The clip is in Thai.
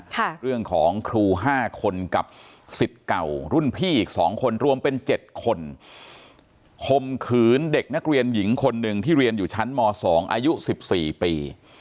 เรื่องของครูห้าคนกับสิทธิ์เก่ารุ่นพี่อีกสองคนรวมเป็นเจ็ดคนคมขืนเด็กนักเรียนหญิงคนหนึ่งที่เรียนอยู่ชั้นมสองอายุสิบสี่ปี